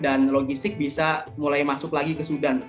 dan logistik bisa mulai masuk lagi ke sudan